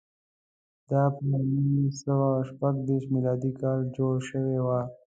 دا پر نولس سوه شپږ دېرش میلادي کال جوړه شوې وه.